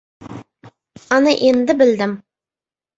Ana endi bildim.